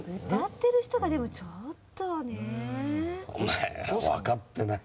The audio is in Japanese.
お前ら分かってない。